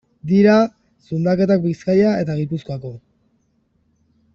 Dira zundaketak Bizkaia eta Gipuzkoako.